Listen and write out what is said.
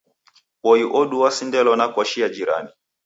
Boi odu wasindelwa na koshi ya jirani.